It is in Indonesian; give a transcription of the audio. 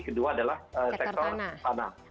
kedua adalah sektor tanah